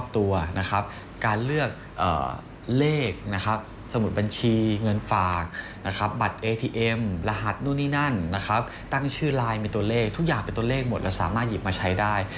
ทุกอย่างเป็นตัวเลขหมดเราสามารถหยิบมาใช้ได้